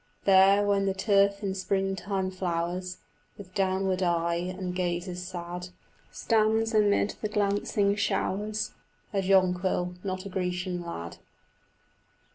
There, when the turf in springtime flowers, With downward eye and gazes sad, Stands amid the glancing showers A jonquil, not a Grecian lad.